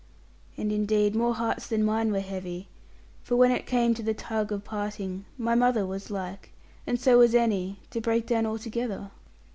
And indeed, more hearts than mine were heavy; for when it came to the tug of parting, my mother was like, and so was Annie, to break down altogether.